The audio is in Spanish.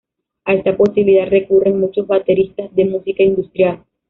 A esta posibilidad recurren muchos bateristas de música industrial.